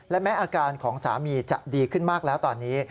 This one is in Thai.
และแม้อาการของสามีจะดีขึ้นมากแล้วตอนนี้